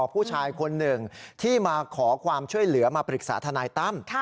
ผู้ชายคนหนึ่งที่มาขอความช่วยเหลือมาปรึกษาทนายตั้ม